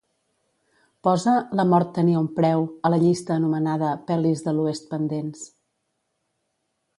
Posa "La mort tenia un preu" a la llista anomenada "pel·lis de l'oest pendents".